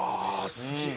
すげえ！